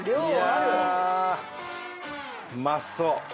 うまそう！